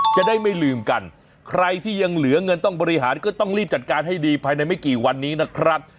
จะได้ไม่ลืมกันใครที่ยังเหลือเงินต้องบริหารก็ต้องรีบจัดการให้ดีภายในไม่กี่วันนี้นะครับ